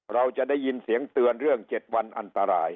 เราจะได้ยินเสียงเตือนเรื่อง๗วันอันตราย